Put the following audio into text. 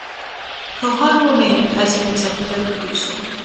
Cohen remained as an executive producer.